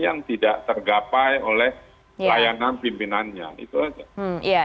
yang tidak tergapai oleh layanan pimpinannya